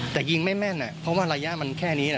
แต่ยิงไม่แม่นเพราะว่าระยะมันแค่นี้แหละ